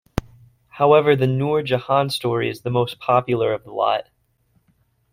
However, the Noor Jahan story is the most popular of the lot.